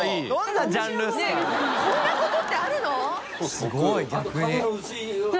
すごい。